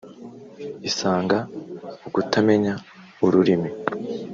isanga ukutamenya ururimi